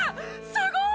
すごい！